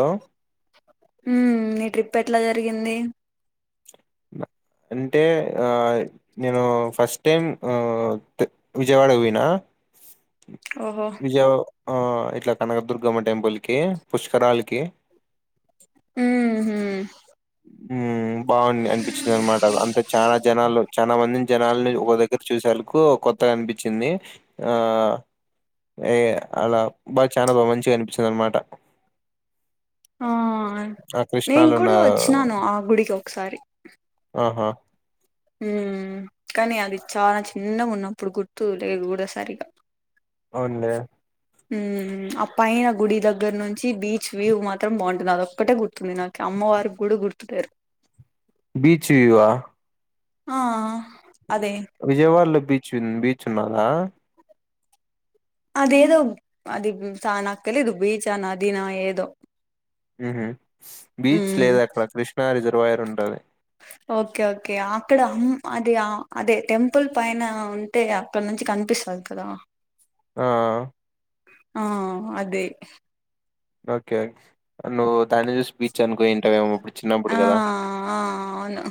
లో ఉ మీ ట్రిప్ ఎట్లా జరిగింది అంటే ఆ నేను ఫస్ట్ టైమ్ ఊ విజయవాడకి పోయినా ఓహో విజయ ఆ ఇట్లా కనకదుర్గమ్మ టెంపుల్కి పుష్కరాలకి ఉహు ఉమ్ బాగుంది అనిపించింది అనమాట అంత చానా జనాల్లో చాలా మందిని జనాలని ఒక దగ్గర చూశాల్ కు కొత్తగా అనిపించింది ఆ ఏ అలా బాగ చానా మంచిగా అనిపించింది అనమాట ఆ ఆ నేను కృష్ణాలో ఉన్న కూడా వచ్చిన నాను ఆ గుడికి ఒకసారి ఆహా ఉ కానీ అది చాలా చిన్నగా ఉన్నప్పుడు గుర్తు లేదు కూడా సరిగా అవున్లే ఉ ఆ పైన గుడి దగ్గర నుంచి బీచ్ వ్యూ మాత్రం బాగుంటుంది అదొక్కటే గుర్తుంది నాకి అమ్మవారి కూడా గుర్తులేరు బీచ్ ఈ వా ఆ అదే విజయవాడలో బీచ్ ఉన్ బీచ్ చిన్నదా అదేదో అది చ నాక్కలిదు బీచా నదీనా ఏదో ఉహు బీచ్ ఉమ్ లేదు అక్కడ కృష్ణ రిజర్ ర్వయర్ ఉంటది ఓకే ఓకే అక్కడమ్ అది అదే టెంపుల్ పైన ఉంటే అక్కడ నుంచి కనిపిస్తది కదా ఆ ఆ అదే ఓకేే నువ్వు తాన్ని చూసి బీచ్ అనుకోనీటావేమో ఆ ఆ అవును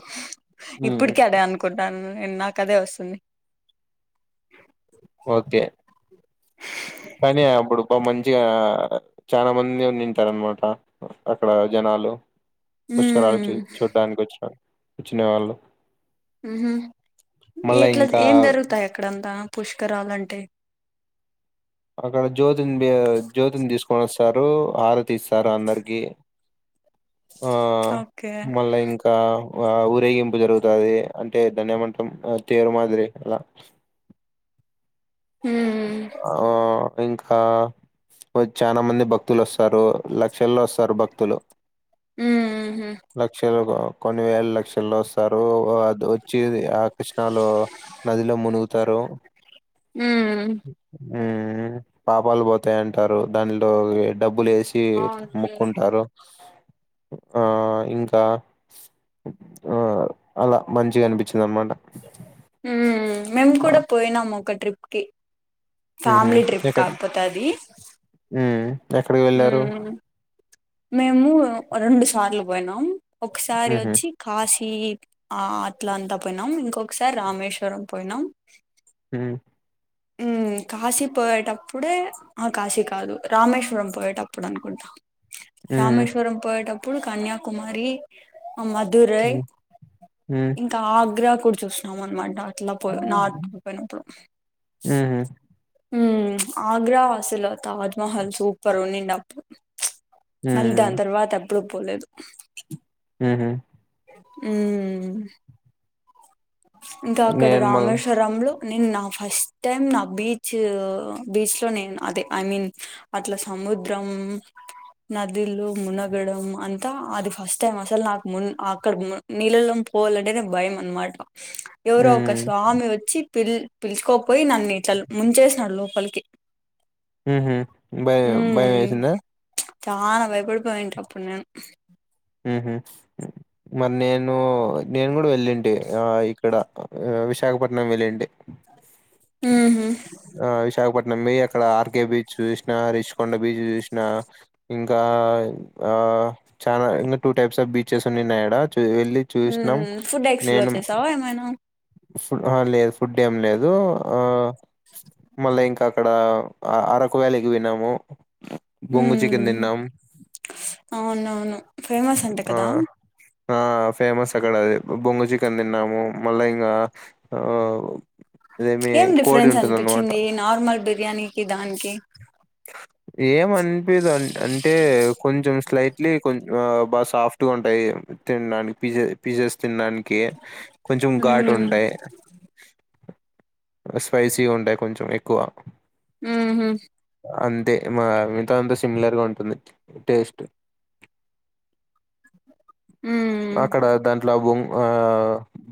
ఉమ్ ఇప్పటికి అది అనుకుంటాను నేన్ నాకదే వస్తుంది ఓకే కానీ అప్పుడు బా మంచిగా చాలా మంది ఉన్నిటారు అనమాట అక్కడ జనాలు పుష్కరాల మ్మ్ చూడ్డానికి వచ్చినం వచ్చిన వాళ్ళు ఉహుమ్ మళ్ళా ఎట్లా ఇంకా ఏం జరుగుతాయి అక్కడంతా పుష్కరాలంటే అక్కడ జ్యోతిని బ జ్యోతిని తీసుకొని వస్తారు హారతి తీస్తారు అందరికి ఆ ఓకే మళ్ళా ఇంకా ఆ ఊరేగింపు జరుగుతది అంటే ధన్యమంతం తీరు మాదిరి అలా మ్మ్ ఆ ఇంకా చాలా మంది భక్తులు వస్తారు లక్షల్లో వస్తారు భక్తులు మ్మ్ హు లక్షలు కొన్ని వేల లక్షల్లో వస్తారు అ వచ్చి ఆ కృష్ణలో నదిలో మునుగుతారు మ్మ్ అ ఉమ్ పాపాలు పోతాయంటారు దానిలో డబ్బులు అవునులే వేసిముక్కుంటారు ఆ ఇంకా ఆ అలా మంచిగా అనిపించింది అన్నమాట హమ్ మేమ్ కూడా పోయినామ ఒక ట్రిప్ కి ఉహు ఫ్యామిలీ ట్రిప్ ఎక్కడ కాకపోతే అది ఉమ్ ఎక్కడికి వెళ్ళారు మ్మ్ మేము రెండు సార్లు పోయినాం ఒకసారి ఉహు వచ్చి కాశీ ఈ ఆ అట్ల అంతా పోయినాం ఇంకొకసారి రామేశ్వరం పోయినాం హుమ్ ఉ కాశీ పోయేటప్పుడే ఆ కాశీ కాదు రామేశ్వరం పోయేటప్పుడు అనుకుంటా ఉహు రామేశ్వరం పోయిటప్పు ఇప్పుడు కన్యాకుమారి మధురై ఉమ్ ఉమ్ ఇంకా ఆగ్రా అప్పుడు చూసినాం అన్నమాట అట్లా పో నాటు పోయిన అప్పుడు ఉహు ఉ ఆగ్రా ఆసలు తాజ్ మహల్ సూపర్ ఉండే అప్పుడు మళ్లీ దాని తర్వాత ఎప్పుడు పోలేదు ఉహుమ్ ఉమ్ ఇంకా అక్కడ నేను మళ్ళ రామేశ్వరం లో నేను నా ఫస్ట్ టైం నా బీచ్ బీచ్ లో నేను అదే ఐ మీన్ అట్లా సముద్రం నదులు మునగడం అంతా అది ఫస్ట్ టైం అసలు నాకు ము అక్కడ నీళ్ళలో పోవాలంటే నే భయం అన్నమాట ఎవరో ఒక ఉమ్ స్వామి వచ్చి పిల్ పిలుచుకోపోయి నన్ను ఇట్లా ముంచేసినడు లోపలికి మ్మ్ భయం భయం ఉమ్ వేసిందా చానా భయపడి పోయింట అప్పుడు నేను మ్మ్ హ్మ్ మరి నేను నేను కూడా వెలుంటే ఇ ఇక్కడ విశాఖపట్నం వెళ్లుండి మ్మ్ హ్మ్ నమ్మి అక్కడ ఆర్కే బీచ్ చూసిన రిచ్కొండ బీచ్ చూసిన ఇంకా ఆ చనా ఇంకా టూ టైప్స్ బీచెస్ ఉన్నాయిడ చూ వెళ్ళి చూసినాం ఉమ్ ఫుడ్ ఎక్స్ప్లోర్ నేను చేసావా ఏమైనా ఫుడ్ లేదు ఫుడ్ ఏం లేదు ఆ మల్ల ఇంకా ఇంకా అక్కడ అరకు వ్యాలికి వెళ్ళాము హ్మ అవునవును ఫేమస్ అంట ఆ కదా ఆ ఫేమస్ అక్కడది బొంగ చికెన్ తిన్నాము మళ్ళా ఇంగా ఆ అదేమి ఏం కోడి డిఫరెన్స్ ఉంటుంద అన్నమాట అనిపించింది నార్మల్ బిర్యానీకి దానికి ఏమనిపియ్యదు అంటే కొంచెం లైట్లీ కొంచం ఆ బాగా సాఫ్ట్ గా ఉంటాయి తినడానికి పీస్ పీసెస్ తినడానికి కొంచెం ఘాటు ఉంటాయి స్పైసీగా ఉండే కొంచెం ఎక్కువ మ్మ్ హ్మ్ అంతే మా మితో అంతా సిమిలర్గా ఉంటుంది టేస్ట్ ఉమ్ అక్కడ దాంట్లో ఆ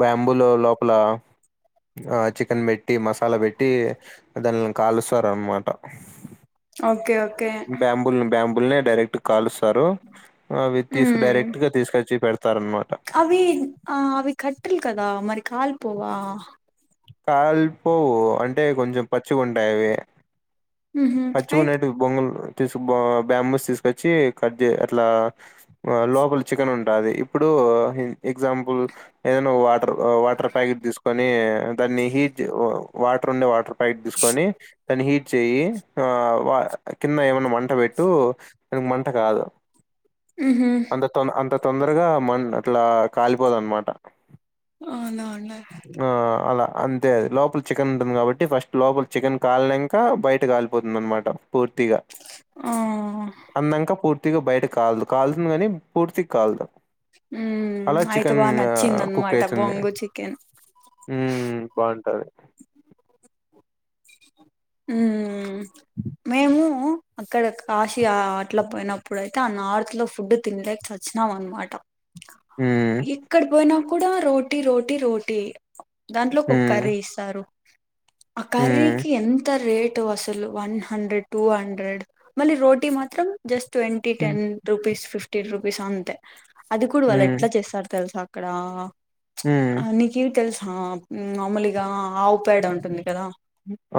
బ్యాంబులో లోపల చికెన్ పెట్టి మసాలా పెట్టి దానిని కాలుస్తారన్నమాట ఓకే ఓకే బ్యాంబుల్ బుల్ఎ డైరెక్ట్ కాల్స్ అవి తీసుకు ఉమ్ డైరెక్ట్ గా తీసుకచ్చి అవి ఆ అవి కట్టల్ కదా మరి కాల్ పోవా కాల్పో అంటే కొంచెం పచ్చి కొంటయవి ఉహు పచ్చి కొన్నా అయిత్ బొంగుల్ తీసుకు బాంబూస్ తీసుకొచ్చి కట్ చే అట్లా లోపల చికెన్ ఉంటుంది ఇప్పుడు ఎగ్జాంపుల్ ఏదైనా వాటర్ వాటర్ ప్యాకెట్ తీసుకొని ని హిటివో వాటర్ ఉండే వాటర్ పైట్ తీసుకొని దాని హీట్ చెయి ఆ కింద ఏమన్నా మంట పెట్టు దానికి మంట కాదు ఉహు అంత తో అంత తొందరగా మం అట్లా కాలిపోదు అన్నమాట అవునా అండి అలా అంతే అది లోపల చికెన్ ఉంటుంది కాబట్టి ఫస్ట్ లోపల చికెన్ కాలినంక బయట కాలిపోతుంది అనమాట పూర్తిగా ఆ అందంకా పు పూర్తిగా బయట కాలదు కాల్తుంది గనీ పూర్తిగా కాలదు ఉ అలా అయితే చికెన్ బాగా కుక్ నచ్చిందనమాట అయితుంది బొంగు చికెన్ సరే మేము అక్కడ కాశీ అట్లా పోయినప్పుడయితే ఆ నార్త్ లో ఫుడ్ తినలేకచ్చినాం అనమాట హ్మ్ ఎక్కడ పోయినా కూడా రోటీ రోటీ రోటీ దాంట్లో ఒక హ్మ్ కర్రీ ఇస్తారు ఆ హ్మ్ కర్రీకి ఎంత రేటు అసలు వన్ హండ్రెడ్ టూ హండ్రెడ్ మళ్ళీ రోటీ మాత్రం జస్ ట్వంటి టెన్ హ్మ్ రుపీస్ ఫిఫ్టీన్ రూపీస్ అంతే అది కూడా వాళ్ళు హ్మ్ ఎట్లా చేస్తారు తెలుసా అక్కడ హ్మ్ ఆ నికివి తెలుసు హా మామూలుగా ఆవుపేడ ఉంటుంది కదా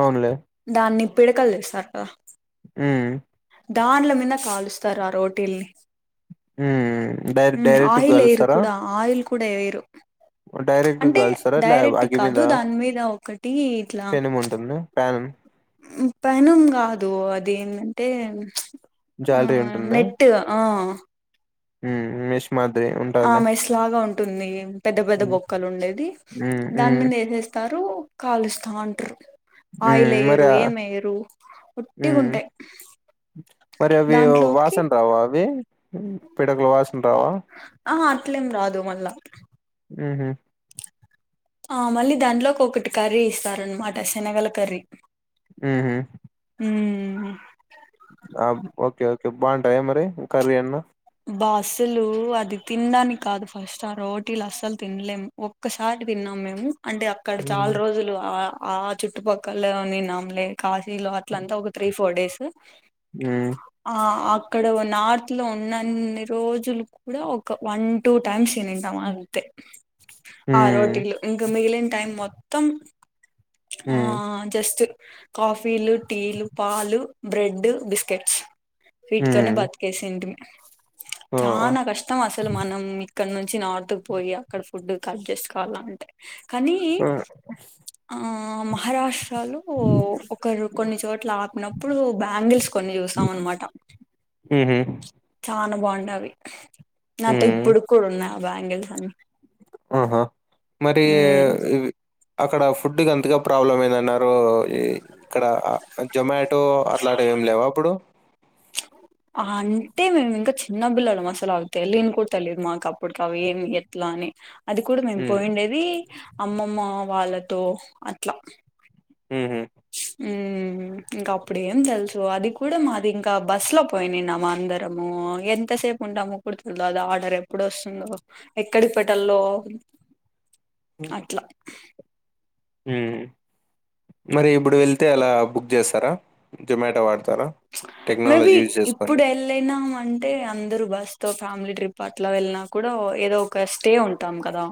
అవునులే దాన్ని పిడకల్ చేస్తారు గా ఉహ్ దాంట్ల మీద కాలుస్తారు ఆ రోటీల్ని ఉహ్ డైర్ డైరెక్ట్ గాలుస్తారా కుడే ఏం ఏయ్యారు డైరెక్ట్ గల్స్తారా అట్లా అగ్గి కాదు మీద దాని మీద ఒకటి ఇట్లా పెనం ఉంటుంద ప్యాన్ పెనం కాదు అది ఏంమంటే ఆ జాలరీ నెట్టు ఆ మ్మ్ మ్మ్ ఆ మెస్ లాగా ఉంటుంది పెద్ద పెద్ద హ్మ్ బొక్కలు ఉండేది హ్మ్ దాని హ్మ్ మీద ఏసేస్తారు కాలుస్తా ఉంటారు ఆయిల్ మ్మ్ మరి వేయరు ఏం వేయరు మ్మ్ ఒట్టిగుంటాయి మరి అవి దాంట్లోకి వాసన రావా అవి పిడకుల వాసన రావా అహా అట్లేం రాదు మళ్ళా మ్మ్ హూ ఆ మళ్ళీ దాంట్లో ఒకటి కర్రీ ఇస్తారనమాట శనగల కర్రీ మ్మ్ హూ ఉ ఆ ఓకే ఓకే బాగుంటాయి మరి కర్రీ అన్న బా అస్సలు అది తినడానికి కాదు ఫస్ట్ ఆ రోటీలు అస్సలు తినలేము ఒక్కసారి తిన్నాము మేము అంటే అక్కడ హ్మ్ చాలా రోజులు ఆ చుట్టుపక్కల ని నమ్లే కా ఇల్ అలా అంతా ఒక త్రీ ఫోర్ డేస్ హ్మ్ ఆ [unintelligible] అక్కడ నార్త్ లో అన్ని రోజులు కూడా ఒక వన్ టూ టైమ్స్ తనింటాం అంతే ఆ హ్మ్ రోటీలో ఇంక మిగిలి టైమ్ మొత్తం ఆ హ్మ్ జస్ట్ కాఫీలు టీలు పాలు బ్రెడ్ బిస్కెట్స్ వీటితోనే హ్మ్ బతికేసింటీమ్ [unintelligible] ఆ చానా కష్టం అసలు మనం ఇక్కడ నుంచి నార్త్ పోయి అక్కడ ఫుడ్ కట్ చేసుకోవాల అంటే కానీ ఆ ఆ ఆ మహారాష్ లో ఒకరు కొన్ని చోట్ల ఆపినప్పుడు బ్యాంగిల్స్ కొన్ని చూసాం అనమాట ఊహూ చానా బాగుండే అవి నాతో హ్మ్ ఇప్పటికీ కూడా ఉన్నాయి ఆ బాంగిల్స్ అ ఆహా మరి అక్కడ ఫుడ్కింతగా ప్రాబ్లం ఏందన్నారు ఈ ఇక్కడ జొమాట టో అట్లాంటివి ఏమి లేవా ఆప్పుడు అంటే మేము ఇంకా చిన్న పిల్లలం అసలు అవి తెలియని కూడా తెలియదు మాకు అప్పటికి అవి ఏమి ఎట్లా అని అది కూడా మేము హ్మ్ పోయిండేది అమ్మమ్మ వాళ్ళతో అట్లా హ్ హ్ హ్ ఇంకా అప్పుడ ఏం తెలుసు. అది కూడా మాది ఇంకా బస్ లో పోయి నిన్నాము అందరము. ఎంతసేపు ఉంటాము [unintelligible] ఆర్డర్ ఎప్పుడు వస్తుందో ఎక్కడికి పెట్టలో అట్లా హు మరి ఇప్పుడు వెళ్తే అలా బుక్ చేస్తారా జొమాటో వాడతారా మేబి టెక్నాలజీ యూజ్ చేసుకొని. ఇప్పుడు ఏల్లినం అంటే అందరు బస్ తో ఫ్యామిలీ ట్రిప్ అట్లా వెళ్ళిన కూడా ఏదో ఒక స్టే ఉంటాం కదా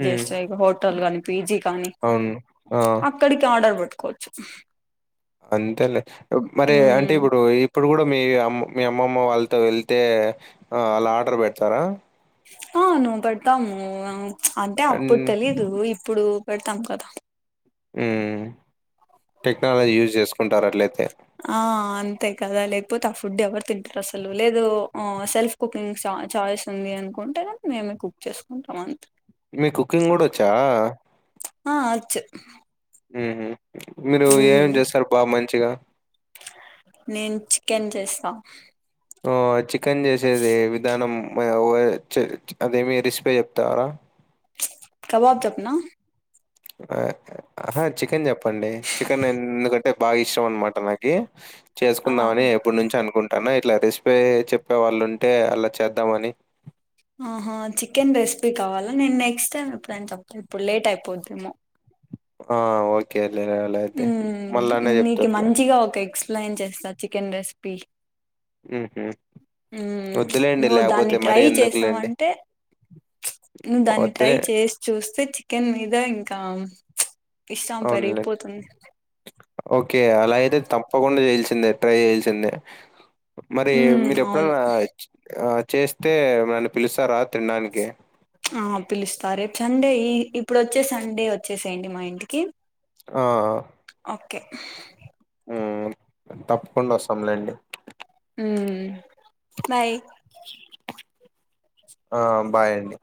హ్మ్. జస్ట్ లైక్ హొటల్ గాని పిజీ కాని అవును. ఆ! అక్కడికి ఆర్డర్ పెట్ కొచ్చు అంతేలే మరి అంటే ఇప్పుడు ఇప్పుడు కూడా మీ అమ్మ మీ అమ్మమ్మ వాళ్ళతో వెళ్తే అల్ ఆర్డర్ పెడతారా అవును పేడతాము అంటే అండ్ అప్పుడు తెలీదు ఇప్పుడు పెడ్తం కదా మ్ టెక్నాలజీ యూజ్ చేసుకుంటారు అట్లయితే ఆ అంతే కదా లేకపోతే ఆ ఫుడ్ ఎవరు తింటారు. అసలు లేదు సెల్ఫ్ కుకింగ్ చాయిస్ ఉంది అనుకుంటే మేమే కుక్ చేసుకుంటాం అంతే మీ కుకింగ్ కూడా వోచ్చా ఆ అచ్చు హ్ హు మీరు ఎమ్ చేస్తారు బాగా మంచిగా నేను చికెన్ చేస్తా వో చి కేన్ చేసేది విధానం మా హొ అది చే అదేమి రే స్ పీ చెప్తారా కబబ్ చెప్నా ఆ ఆహా చికెన్ చెప్పండి. చికెన్ ఎందుకంటే బాగా ఇష్టం అన్నమాట నాకి ఆ చేసుకుందామని ఎప్పుడు నుంచో అనుకుంటాన్న ఇట్లా రెసిపీ చెప్పే వాళ్ళు ఉంటే అలా చేద్దామని ఆహ చికెన్ రెసిపీ కావాలా. నేను నెక్స్ట్ టైం ఎప్పుడైన చెప్త ఇప్పుడు లేట్ అయిపోద్దేమో ఆ ఓకే ఉ నీకు మంచిగా ఒక ఎక్స్పీ పలైన్ చేస్తా చికెన్ రెసిపీ మ్.. హుమ్... మ్మ్ వద్దులేండి నువ్వు దాన్ని లేకపోతే మరీ ట్రై ఎందుకులేండి చేసావంటే నువ్వు దాన్ని ట్రై వద్దులే. చేసి చూస్తే చికెన్ మీద ఇంకా ఇష్టాం అవునులేండి. పెరిగిపోతుంది ఓకే అలా అయితే తప్పకుండా చేయాల్ దెట్రై చెయ్యాల్సిందే మరి ఉమ్ మీరు అవును ఎప్పుడైనా ఆ చేస్తే ఏమన్నా పిలుస్తారా తినడానికి? ఆ పిలుస్తారే చండే ఇప్పుడు వచ్చే సండే వచ్చేసేయండి మా ఇంటికి ఆ ఓకె మ్ తప్పకుండా వస్తాంలేండి మ్ బాయ్ ఆమ్ బాయ్ అండి